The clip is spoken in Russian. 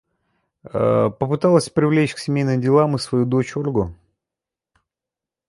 Попыталась привлечь к семейным делам и свою дочь Ольгу.